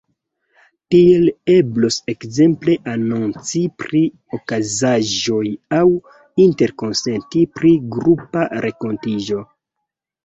Tiel eblos ekzemple anonci pri okazaĵoj aŭ interkonsenti pri grupa renkontiĝo.